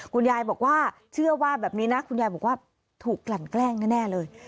คุณยายบอกว่าเชื่อว่าแบบนี้นะคุณยายบอกว่าถูกกลั่นแกล้งแน่เลย